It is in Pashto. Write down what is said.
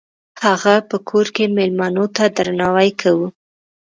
هغه په کور کې میلمنو ته درناوی کاوه.